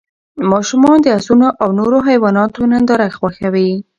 ماشومان د اسونو او نورو حیواناتو ننداره خوښوي.